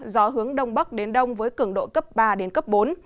gió hướng đông bắc đến đông với cường độ cấp ba đến cấp bốn